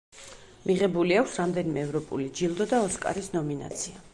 მიღებული აქვს რამდენიმე ევროპული ჯილდო და ოსკარის ნომინაცია.